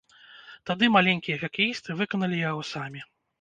Тады маленькія хакеісты выканалі яго самі.